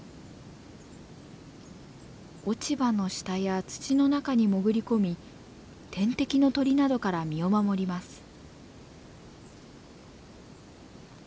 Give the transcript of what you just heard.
落ち葉の下や土の中に潜り込み天敵の鳥などから身を守ります。